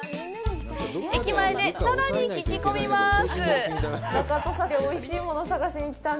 駅前で、さらに聞き込みます。